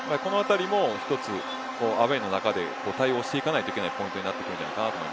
このあたりも一つアウェーの中で対応していかないといけないポイントになってくるかな